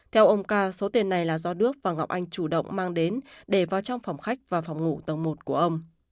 theo ông ca số tiền này là do đức và ngọc anh chủ động mang đến để vào trong phòng khách và phòng ngủ tầng một của ông